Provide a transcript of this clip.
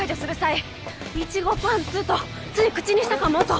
いちごパンツとつい口にしたかもと